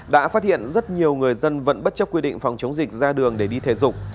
đã phát hiện rất nhiều người dân vẫn bất chấp quy định phòng chống dịch ra đường để đi thể dục